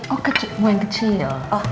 oh mau yang kecil